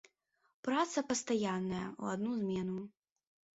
Праца пастаянная, у адну змену.